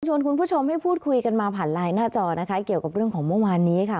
คุณผู้ชมให้พูดคุยกันมาผ่านไลน์หน้าจอนะคะเกี่ยวกับเรื่องของเมื่อวานนี้ค่ะ